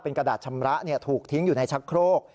กระดาษชำระถูกทิ้งอยู่ในชักโครก